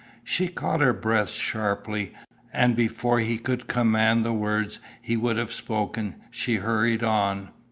She caught her breath sharply, and before he could command the words he would have spoken, she hurried on.